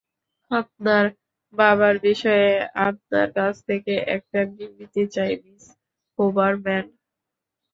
আপনার বাবার বিষয়ে আপনার কাছ থেকে একটা বিবৃতি চাই, মিস হুবারম্যান।